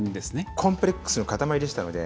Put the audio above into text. コンプレックスの塊でしたので。